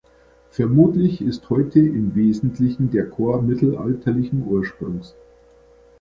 Vermutlich ist heute im Wesentlichen der Chor mittelalterlichen Ursprungs.